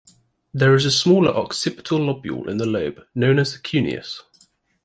There is a smaller occipital lobule in the lobe known as the cuneus.